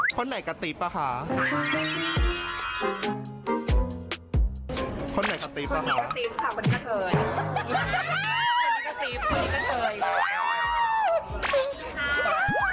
คนไหนกระติ๊บหัวใจค่ะ